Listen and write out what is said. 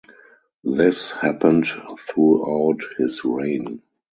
This happened throughout his reign.